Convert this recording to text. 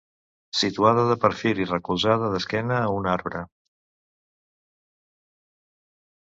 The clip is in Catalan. Situada de perfil i recolzada d'esquena a un arbre.